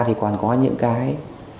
thì còn có những cái